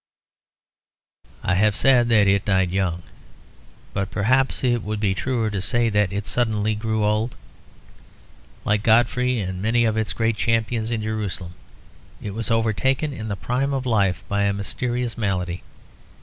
I have said that it died young; but perhaps it would be truer to say that it suddenly grew old. Like Godfrey and many of its great champions in Jerusalem, it was overtaken in the prime of life by a mysterious malady.